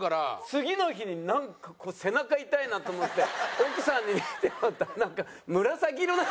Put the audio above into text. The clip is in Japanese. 次の日になんか背中痛いなと思って奥さんに見てもらったらなんか。